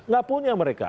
gak punya mereka